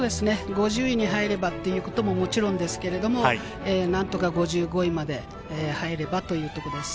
５０位に入ればということはもちろんですけれど、何とか５５位まで入ればというところです。